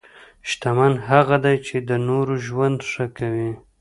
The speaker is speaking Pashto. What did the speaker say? شتمن هغه دی چې د نورو ژوند ښه کوي.